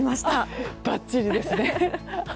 ばっちりですね。